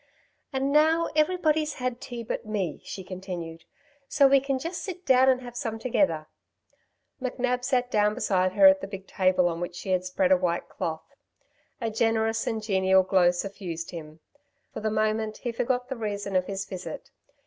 "And now everybody's had tea but me," she continued. "So we can just sit down and have some together." McNab sat down beside her at the big table on which she had spread a white cloth. A generous and genial glow suffused him. For the moment he forgot the reason of his visit.